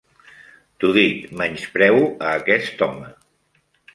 T'ho dic, menyspreo a aquest home.